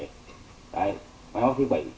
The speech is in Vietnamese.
tại máy báo thiết bị